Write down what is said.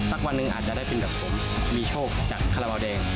วันหนึ่งอาจจะได้เป็นแบบผมมีโชคจากคาราบาลแดง